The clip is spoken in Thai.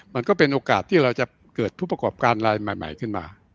มันก็เป็นโอกาสที่เราจะเกิดผู้ประกอบการรายใหม่ขึ้นมา